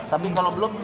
tapi kalau belum